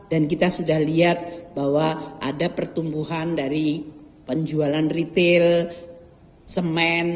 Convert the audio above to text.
dan kita sudah lihat bahwa ada pertumbuhan dari penjualan retail semen